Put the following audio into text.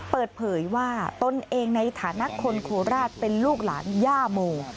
เปิดเผยว่าตนเองในฐานะคนโคราชเป็นลูกหลานย่าโม